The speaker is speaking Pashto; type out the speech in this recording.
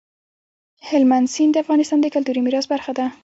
هلمند سیند د افغانستان د کلتوري میراث برخه ده.